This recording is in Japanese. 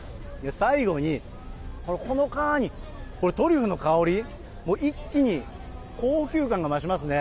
最後にほのかにこれ、トリュフの香り、一気に高級感が増しますね。